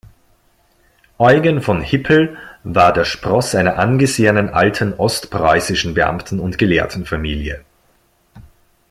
Eugen von Hippel war der Spross einer angesehenen alten ostpreußischen Beamten- und Gelehrtenfamilie.